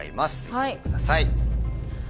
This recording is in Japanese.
急いでください。